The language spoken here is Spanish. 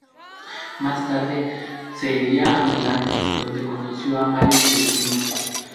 Más tarde ser iría a Milán donde conoció a Mario Testino.